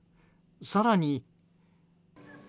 更に。